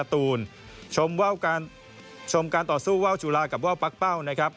ต่อสู้ว่าวจุลากับว่าวปั๊กเป้านะครับ